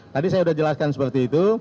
tadi saya sudah jelaskan seperti itu